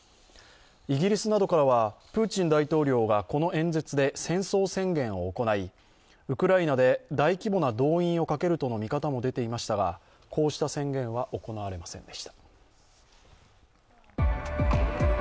イギリスなどからは、プーチン大統領がこの演説で戦争宣言を行い、ウクライナで大規模な動員をかけるとの見方も出ていましたが、こうした宣言は行われませんでした。